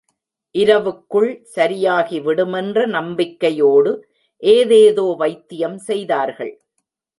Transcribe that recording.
இரவுக்குள் சரியாகிவிடுமென்ற நம்பிக்கையோடு ஏதேதோ வைத்தியம் செய்தார்கள்.